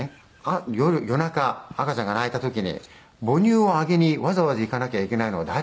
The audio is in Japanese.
「夜中赤ちゃんが泣いた時に母乳をあげにわざわざ行かなきゃいけないのは誰？」